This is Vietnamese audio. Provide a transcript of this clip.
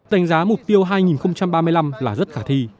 đánh giá mục tiêu hai nghìn ba mươi năm là rất khả thi